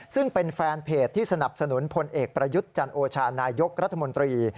ซึ่งเป็นแฟนเพจที่สนับสนุนพลเอกประยุทธ์จันโอชานายกรัฐมนตรี